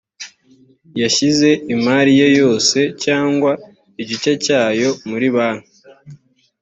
yshyize imari ye yose cyangwa igice cyayo muri banki